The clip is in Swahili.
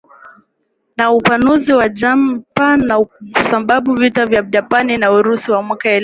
na upanuzi wa Japan na kusababisha vita ya Japani na Urusi ya mwaka elfu